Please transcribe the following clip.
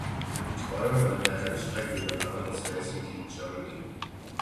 Die Betreuung an der Rennstrecke übernahm das Racing Team Germany.